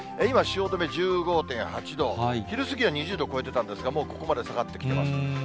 今、汐留１５．８度、昼過ぎは２０度超えてたんですが、もうここまで下がってきてます。